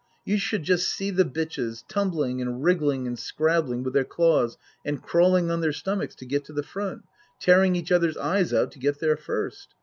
You should just see the bitches; tumbling, and wriggling and scrabbling with their claws and crawling on their stomachs to get to the front tearing each other's eyes out to get there first.